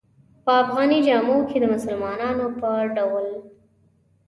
په افغاني جامو کې د مسلمانانو په ډول.